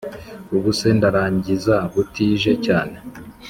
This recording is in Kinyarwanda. Ubuse ndarangiza butije cyane